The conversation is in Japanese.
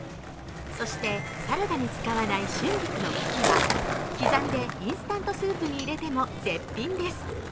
そしてサラダに使わない春菊の茎は刻んでインスタントスープに入れても絶品です。